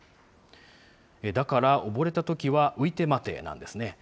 だから、溺れたときは浮いて待て、なんですね。